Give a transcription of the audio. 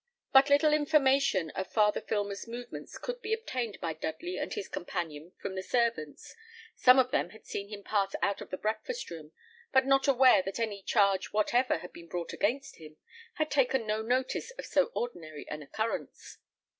But little information of Father Filmer's movements could be obtained by Dudley and his companion from the servants. Some of them had seen him pass out of the breakfast room, but not aware that any charge whatever had been brought against him, had taken no notice of so ordinary an occurrence.